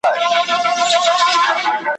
نه له چا سره مو کار وي نه تهمت وي نه اغیار وي ,